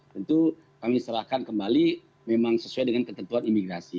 tentu kami serahkan kembali memang sesuai dengan ketentuan imigrasi